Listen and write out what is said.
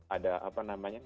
ada apa nanya